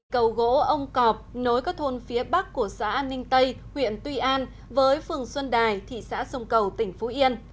cầu gỗ ông cọp nối các thôn phía bắc của xã an ninh tây huyện tuy an với phường xuân đài thị xã sông cầu tỉnh phú yên